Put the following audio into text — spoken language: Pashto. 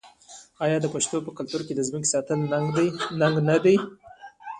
آیا د پښتنو په کلتور کې د ځمکې ساتل ننګ نه دی؟